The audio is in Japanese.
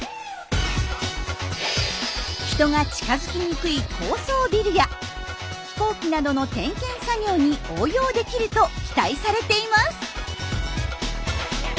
人が近づきにくい高層ビルや飛行機などの点検作業に応用できると期待されています。